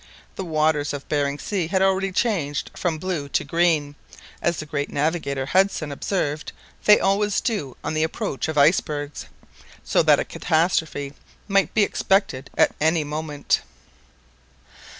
The waters of Behring Sea had already changed from blue to green, as the great navigator Hudson observed they always do on the approach of icebergs, so that a catastrophe might be expected at any moment.